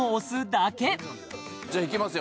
だけじゃあいきますよ